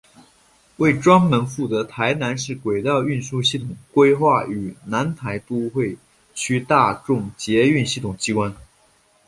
为专门负责台南市轨道运输系统规划与台南都会区大众捷运系统机关。